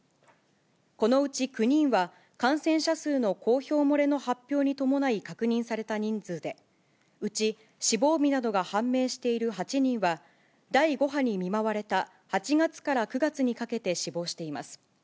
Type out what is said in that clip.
このうち９人は、感染者数の公表漏れの発表に伴い確認された人数で、うち死亡日などが判明している８人は、第５波に見舞われた８月から９月にかけて死亡しています。